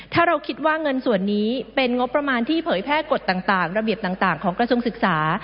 ถ้าเราคิดว่าเงินส่วนนี้เป็นงบประมาณที่เผยแพร่กฎต่างระเบียบต่างของกระทรวงศึกษา